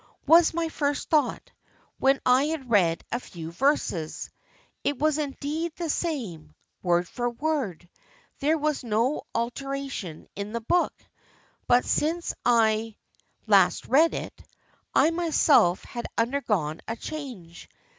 was my first thought, when I had read a few verses. It was indeed the same, word for word; there was no alteration in the book, but since I last read it, I myself had undergone a change.